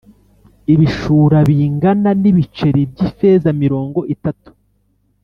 Ibishura bingana n’ ibiceri by’ ifeza mirongo itatu